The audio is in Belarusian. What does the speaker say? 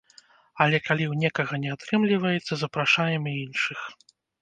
Але калі ў некага не атрымліваецца, запрашаем і іншых.